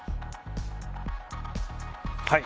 はい。